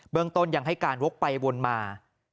เบื้องต้นยังให้การวกไปวนมา